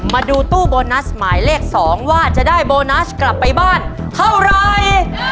มาดูตู้โบนัสหมายเลข๒ว่าจะได้โบนัสกลับไปบ้านเท่าไร